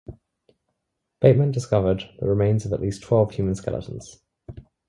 Bateman discovered the remains of at least twelve human skeletons.